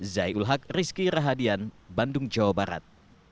zai ul haq rizky rahadian bandung jawa barat